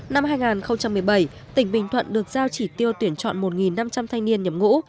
năm hai nghìn một mươi bảy tỉnh bình thuận được giao chỉ tiêu tuyển chọn một năm trăm linh thanh niên nhập ngũ